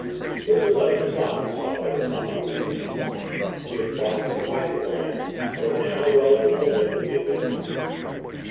It was eleven o'clock, I saw by the clock on the mantelpiece. We had crossed the dividing line and were now well in the movement of the adventure.